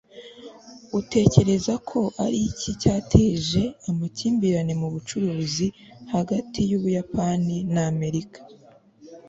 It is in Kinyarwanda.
utekereza ko ari iki cyateje amakimbirane mu bucuruzi hagati y'ubuyapani na amerika